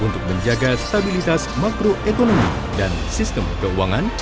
untuk menjaga stabilitas makroekonomi dan sistem keuangan